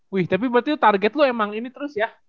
wih tapi berarti target lu emang ini terus ya